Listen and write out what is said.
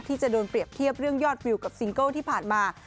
ที่จะโดนเปรียบเทียบเรื่องยอดวิวกับซิงเกิลที่ผ่านมา